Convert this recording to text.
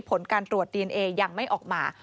ผลการตรวจดีเอนเอยังไม่ออกมา